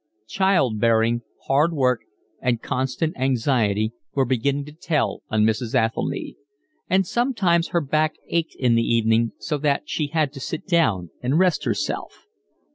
Child bearing, hard work, and constant anxiety were beginning to tell on Mrs. Athelny; and sometimes her back ached in the evening so that she had to sit down and rest herself.